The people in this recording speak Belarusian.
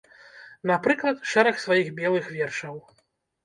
Напрыклад, шэраг сваіх белых вершаў.